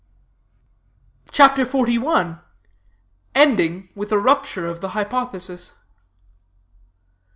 '" CHAPTER XLI. ENDING WITH A RUPTURE OF THE HYPOTHESIS.